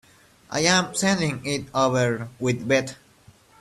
I'm sending it over with Beth.